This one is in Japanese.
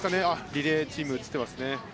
リレーチームが映ってますね。